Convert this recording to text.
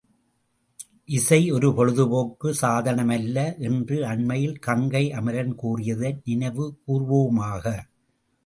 இசை ஒரு பொழுது போக்கு சாதனம் அல்ல! என்று அண்மையில் கங்கை அமரன் கூறியதை நினைவுகூர்வோமாக!